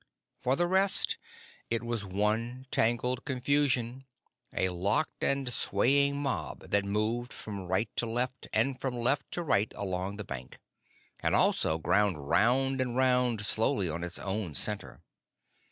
For the rest, it was one tangled confusion a locked and swaying mob that moved from right to left and from left to right along the bank; and also ground round and round slowly on its own center.